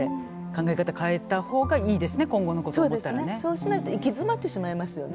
そうしないと行き詰まってしまいますよね。